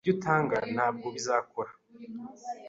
Ibyo utanga ntabwo bizakora.